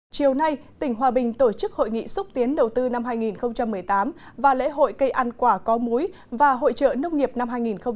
chiều nay tỉnh hòa bình tổ chức hội nghị xúc tiến đầu tư năm hai nghìn một mươi tám và lễ hội cây ăn quả có múi và hội trợ nông nghiệp năm hai nghìn một mươi chín